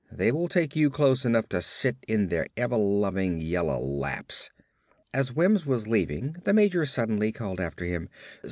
They will take you close enough to sit in their ever lovin' yellow laps." As Wims was leaving the major suddenly called after him.